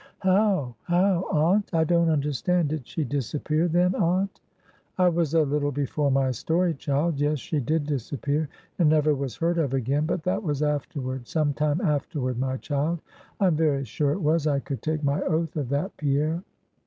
"How? how? aunt; I don't understand; did she disappear then, aunt?" "I was a little before my story, child. Yes, she did disappear, and never was heard of again; but that was afterward, some time afterward, my child. I am very sure it was; I could take my oath of that, Pierre."